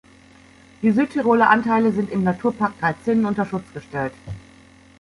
Die Südtiroler Anteile sind im Naturpark Drei Zinnen unter Schutz gestellt.